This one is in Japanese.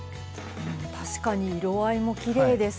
確かに色合いもきれいです。